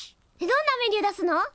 どんなメニュー出すの？